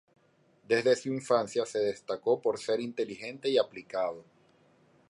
Desde su infancia se destacó por ser inteligente y aplicado.